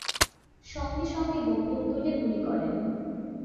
সঙ্গে সঙ্গে বন্দুক তুলে গুলি করেন।